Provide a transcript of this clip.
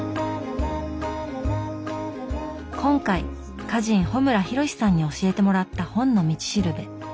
今回歌人・穂村弘さんに教えてもらった「本の道しるべ」。